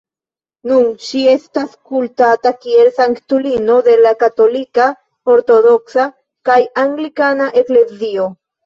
Nun ŝi estas kultata kiel sanktulino de la Katolika, Ortodoksa kaj Anglikana Eklezioj.